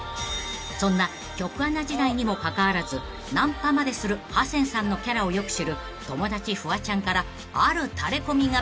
［そんな局アナ時代にもかかわらずナンパまでするハセンさんのキャラをよく知る友達フワちゃんからあるタレコミが］